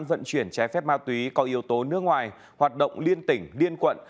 vận chuyển trái phép ma túy có yếu tố nước ngoài hoạt động liên tỉnh liên quận